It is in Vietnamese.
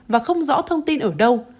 và không rõ thông tin ở đâu